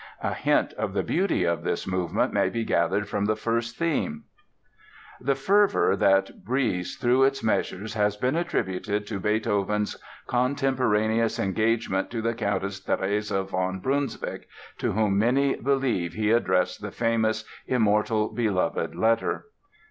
A hint of the beauty of this movement may be gathered from the first theme: [Illustration: play music] The fervor that breathes through its measures has been attributed to Beethoven's contemporaneous engagement to the Countess Therese von Brunswick, to whom many believe he addressed the famous "Immortal Beloved" letter.